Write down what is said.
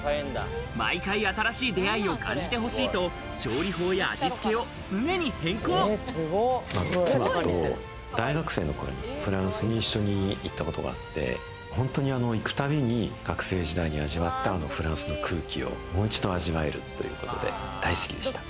毎回新しい出会いを感じて欲しいと、妻と大学生の頃にフランスに一緒に行ったことがあって、本当に行くたびに、学生時代に味わったあのフランスの空気をもう一度味わえるっていうことで大好きでした。